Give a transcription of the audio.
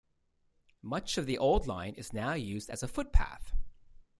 Much of the old line is now used as a footpath.